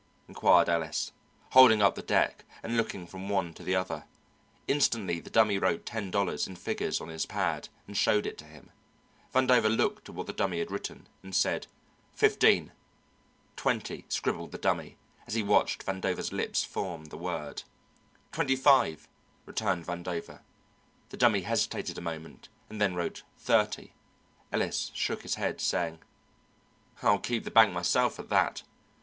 inquired Ellis, holding up the deck and looking from one to the other. Instantly the Dummy wrote ten dollars, in figures, on his pad, and showed it to him. Vandover looked at what the Dummy had written, and said: "Fifteen." "Twenty," scribbled the Dummy, as he watched Vandover's lips form the word. "Twenty five," returned Vandover. The Dummy hesitated a moment and then wrote "thirty." Ellis shook his head saying, "I'll keep the bank myself at that."